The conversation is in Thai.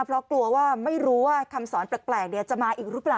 เพราะกลัวว่าไม่รู้ว่าคำสอนแปลกจะมาอีกหรือเปล่า